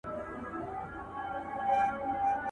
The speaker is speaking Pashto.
• نوک او اورۍ نه سره جلا کېږي.